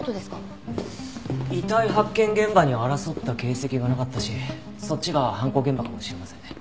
遺体発見現場には争った形跡がなかったしそっちが犯行現場かもしれませんね。